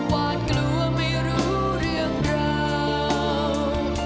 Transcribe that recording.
หวาดกลัวไม่รู้เรื่องราว